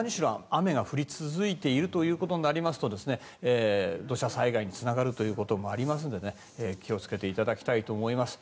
雨が降り続いているということになりますと土砂災害につながるということもありますので気をつけていただきたいと思います。